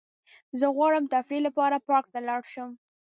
زه غواړم تفریح لپاره پارک ته لاړ شم.